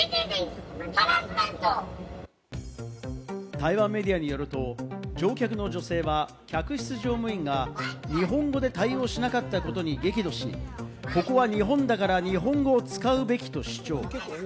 台湾メディアによると、乗客の女性は客室乗務員が日本語で対応しなかったことに激怒し、ここは日本だから日本語を使うべきと主張。